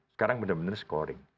sekarang benar benar scoring